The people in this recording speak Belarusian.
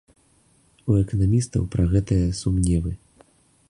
У эканамістаў пра гэтае сумневы.